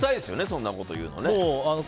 そんなこと言うのね。